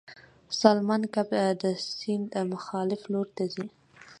سالمن کب د سیند مخالف لوري ته ځي